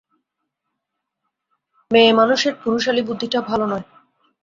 মেয়েমানুষের পুরুষালী বুদ্ধিটা ভালো নয়।